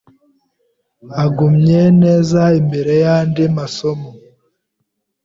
agumye neza imbere yandi masomo.